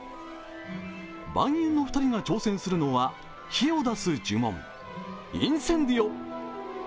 ヴァンゆんの２人が挑戦するのは火を出す呪文・インセンディオ。